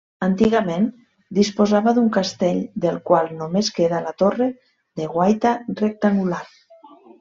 Antigament disposava d'un castell del qual només queda la torre de guaita rectangular.